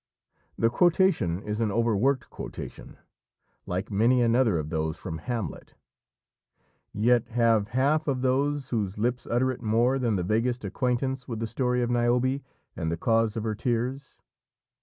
The quotation is an overworked quotation, like many another of those from Hamlet; yet, have half of those whose lips utter it more than the vaguest acquaintance with the story of Niobe and the cause of her tears?